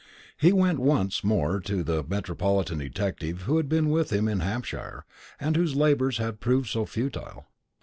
He went once more to the metropolitan detective who had been with him in Hampshire, and whose labours there had proved so futile.